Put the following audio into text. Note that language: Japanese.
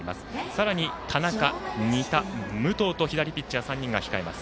さらに田中、仁田、武藤と左ピッチャー３人が控えます。